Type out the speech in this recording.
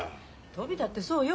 トビだってそうよ